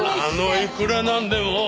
あのいくらなんでも。